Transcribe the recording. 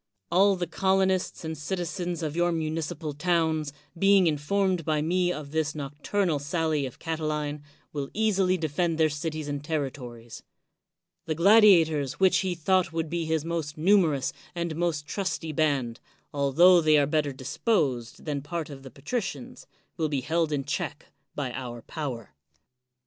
All the colonists and citizens of your municipal towns, being informed by me of this nocturnal sally of Catiline, will easily defend their cities and territories; the gladiators which he thought would be his most numerous and most trusty band, altho they 128 CICERO are better disposed than part of the patricians, will be held in check by our power.